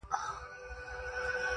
د زغم ځواک د ستونزو فشار کموي؛